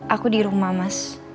aku di rumah mas